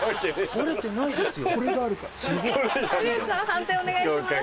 判定お願いします。